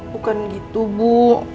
bukan gitu bu